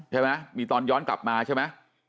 ใช่ไหมมีตอนย้อนกลับมาใช่ไหม